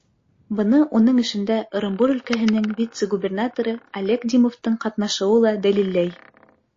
Быны уның эшендә Ырымбур өлкәһенең вице-губернаторы Олег Димовтың ҡатнашыуы ла дәлилләй.